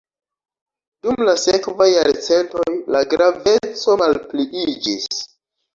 Dum la sekvaj jarcentoj la graveco malpliiĝis.